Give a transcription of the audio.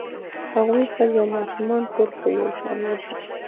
هغوی ښځې او ماشومان ټول په یو شان وژل